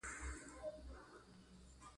ډيپلومات د هېواد له مشرتابه سره همږغي لري.